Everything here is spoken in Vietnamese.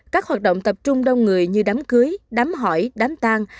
các hoạt động tập trung đông người như đám cưới đám hỏi đám tang